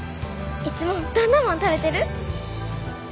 いつもどんなもの食べてる？